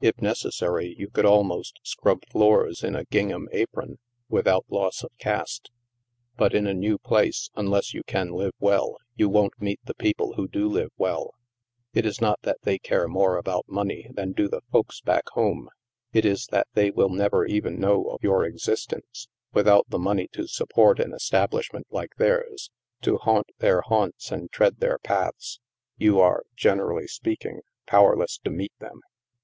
If necessary, you could almost scrub floors in a ging ham apron, without loss of caste. But in a new place, unless you can live well, you won't meet the people who do live well. It is not that they care more about money than do the " folks back home "; it is that they will never even know of your existence. Without the money to support an establishment like theirs, to haunt their haunts and tread their paths, you are, generally speaking, powerless to meet them.